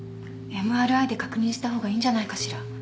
ＭＲＩで確認したほうがいいんじゃないかしら。